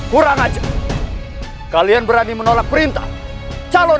kami sudah tidak ada urusan lagi dengan kalian